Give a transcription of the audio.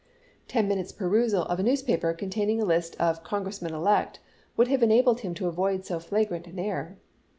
Ten minutes' perusal of a newspaper con taining a list of Congressmen elect would have enabled him to avoid so flagrant an error.